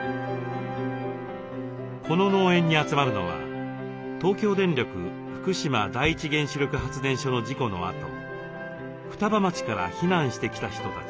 この農園に集まるのは東京電力福島第一原子力発電所の事故のあと双葉町から避難してきた人たち。